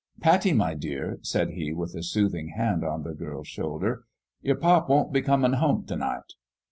" Pattie, my dear," said he, with a soothing hand on the girl's shoulder, " your pop won't be comin' home t' night."